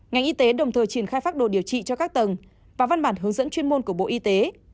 ngành y tế đồng thời triển khai phác đồ điều trị cho các tầng và văn bản hướng dẫn chuyên môn của bộ y tế